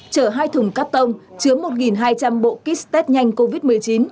chở hai thùng cắt tông chứa một hai trăm linh bộ kit test nhanh covid một mươi chín